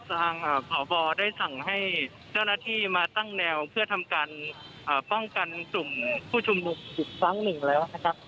ทางพบได้สั่งให้เจ้าหน้าที่มาตั้งแนวเพื่อทำการป้องกันกลุ่มผู้ชุมนุมอีกครั้งหนึ่งแล้วนะครับ